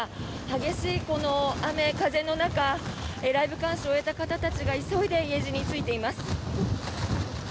激しい雨、風の中ライブ鑑賞を終えた方たちが急いで家路に就いています。